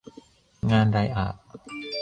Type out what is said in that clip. งานไรอะ